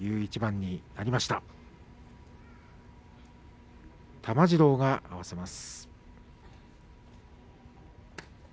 木村玉治郎が合わせます。